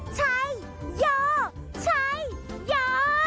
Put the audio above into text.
ใช่เยอะใช่เยอะ